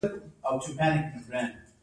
احمد خپل دوښمن ته د سر په کاسه کې وينې ورکړې.